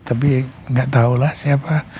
tapi gak tahulah siapa